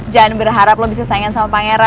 jangan berharap lo bisa saingan sama pangeran